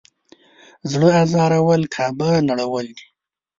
زړه ازارول کعبه نړول دی.